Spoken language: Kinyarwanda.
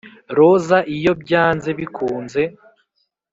roza iyo, byanze bikunze,